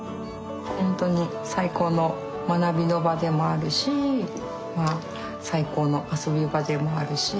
ほんとに最高の学びの場でもあるし最高の遊び場でもあるし。